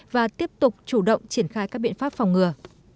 và tiếp tục chủ động triển khai các biện pháp phòng ngừa